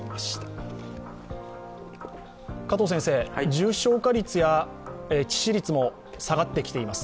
重症化率や致死率も下がってきています。